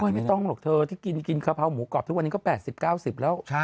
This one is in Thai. ไม่ต้องหรอกเธอที่กินกะเพราหมูกรอบทุกวันนี้ก็๘๐๙๐แล้ว